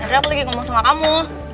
akhirnya aku lagi ngomong sama kamu